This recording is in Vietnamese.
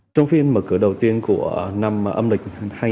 trong phiên mở cửa đầu tiên của năm âm lịch hai nghìn hai mươi bốn